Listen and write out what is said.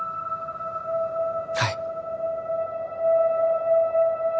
はい